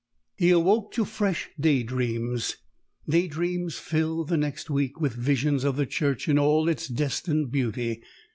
He awoke to fresh day dreams. Day dreams filled the next week with visions of the church in all its destined beauty.